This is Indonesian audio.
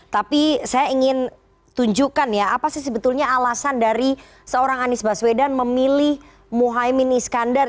tapi saya ingin tunjukkan ya apa sih sebetulnya alasan dari seorang anies baswedan memilih muhaymin iskandar